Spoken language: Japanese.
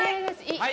はい。